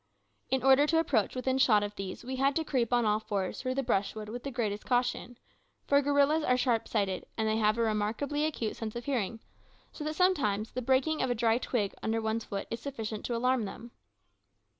In order to approach within shot of these, we had to creep on all fours through the brushwood with the greatest caution; for gorillas are sharp sighted, and they have a remarkably acute sense of hearing, so that sometimes the breaking of a dry twig under one's foot is sufficient to alarm them.